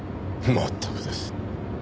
まったくです。